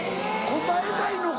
答えたいのか。